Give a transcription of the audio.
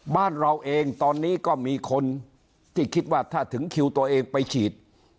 บ้านเราเองตอนนี้ก็มีคนที่คิดว่าถ้าถึงคิวตัวเองไปฉีด